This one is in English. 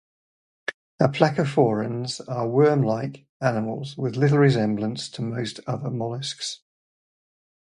Aplacophorans are worm-like animals, with little resemblance to most other molluscs.